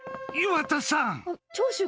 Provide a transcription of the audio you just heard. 岩田さん。